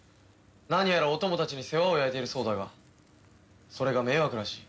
何やらお供たちに世話を焼いているそうだがそれが迷惑らしい。